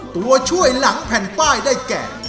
ตัวช่วยหลังแผ่นป้ายได้แก่